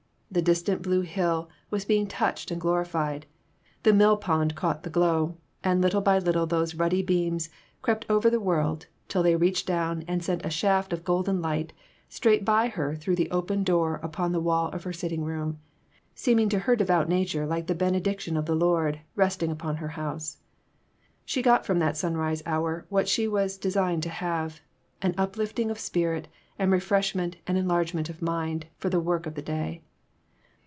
The distant blue hill was being touched and glorified. The mill pond caught the glow, and little by little those ruddy beams crept over the world till they reached down and sent a shaft of golden light straight by her through the open door upon the wall of her sitting room ; seeming to her devout nature like the benediction of the Lord resting upon her house. She got from that sunrise hour what she was designed to have an uplifting of spirit and refreshment and enlarge ment of mind for the work of the day.